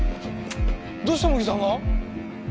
どうして茂木さんが？